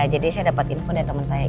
jadi saya dapet info dari teman saya